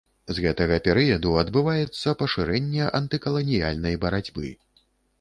З гэтага перыяду адбываецца пашырэнне антыкаланіяльнай барацьбы.